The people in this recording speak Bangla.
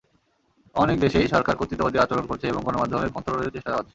অনেক দেশেই সরকার কর্তৃত্ববাদী আচরণ করছে এবং গণমাধ্যমের কণ্ঠ রোধের চেষ্টা চালাচ্ছে।